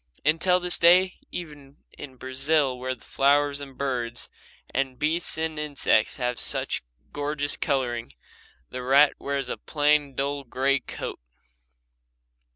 Until this day, even in Brazil where the flowers and birds and beasts and insects have such gorgeous colouring, the rat wears a plain dull grey coat.